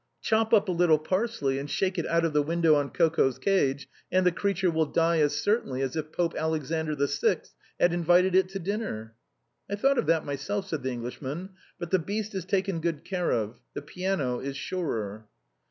Chop up a little parsley, and shake it THE TOILETTE OF THE GRACES. 217 out of the window on Coco's cage, and the creature will die as certainly as if Pope Alexander VI. had invited it to dinner." " I thought of that myself," said the Englishman ;" but the beast is taken too good care of. The piano is surer."